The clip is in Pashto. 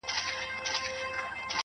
دا شاعر خپل نه کوي دا شاعر پردی نه کوي~